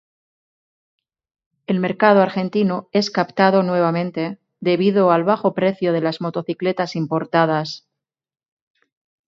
El mercado argentino es captado nuevamente, debido al bajo precio de las motocicletas importadas.